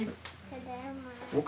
ただいま。